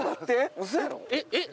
うそやろ？